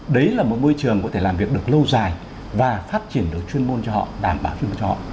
đấy là một môi trường có thể làm việc được lâu dài và phát triển được chuyên môn cho họ đảm bảo phiên cho họ